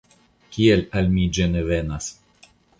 Kial al mi ĝi ne venas?